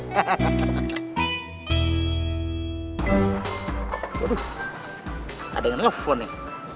aduh ada yang nelfon nih